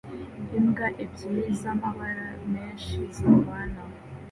Imbwa ebyiri zamabara menshi zirwana